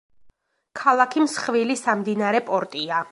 ქალაქი მსხვილი სამდინარე პორტია.